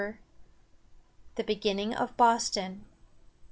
THE BEGINNING OF BOSTON.